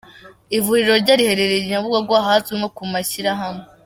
Ivuriro rye riherereye i Nyabugogo ahazwi nko ku Mashyirahamwe.